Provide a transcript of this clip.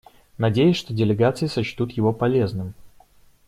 Надеюсь, что делегации сочтут его полезным.